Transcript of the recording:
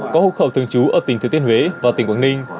có hữu khẩu thường trú ở tỉnh thế tiên huế và tỉnh quảng ninh